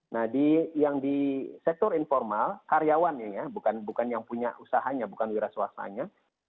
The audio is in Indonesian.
nah yang di sektor informal karyawannya bukan yang punya usahanya bukan wirasuasanya